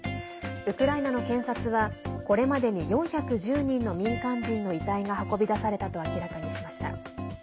ウクライナの検察はこれまでに４１０人の民間人の遺体が運び出されたと明らかにしました。